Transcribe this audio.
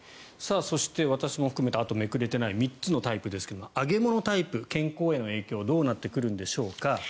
私も含めてあとめくれていない３つのタイプですが揚げ物タイプ、健康への影響はどうなってくるんでしょうか。